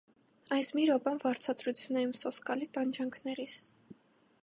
Այս մի րոպեն վարձատրություն է իմ սոսկալի տանջանքներիս…